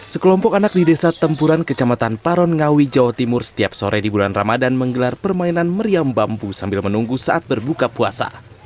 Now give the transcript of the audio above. sekelompok anak di desa tempuran kecamatan paron ngawi jawa timur setiap sore di bulan ramadan menggelar permainan meriam bambu sambil menunggu saat berbuka puasa